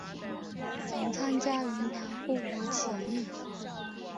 曾参加云南护国起义。